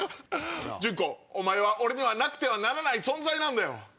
ジュンコお前は俺にはなくてはならない存在なんだよ。